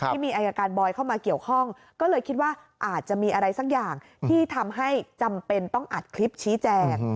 ที่มีอายการบอยเข้ามาเกี่ยวข้องก็เลยคิดว่าอาจจะมีอะไรสักอย่างที่ทำให้จำเป็นต้องอัดคลิปชี้แจง